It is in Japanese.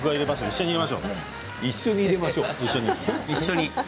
一緒に入れましょう。